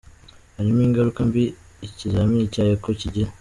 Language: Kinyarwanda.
Hari ingaruka mbi ikizamini cya Echo kigira?.